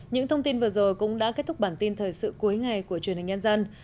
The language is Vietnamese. những thông tin vừa rồi cũng đã kết thúc bản tin thời sự cuối ngày của truyền hình nhân dân